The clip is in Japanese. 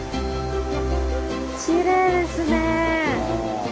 きれいですね。